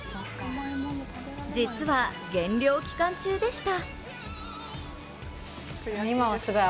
実は減量期間中でした。